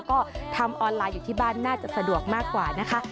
ก็ทำออนไลน์อยู่ที่บ้านน่าจะสะดวกมากกว่านะคะ